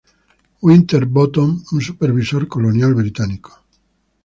Winterbottom, un supervisor colonial británico.